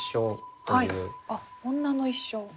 あっ「女の一生」。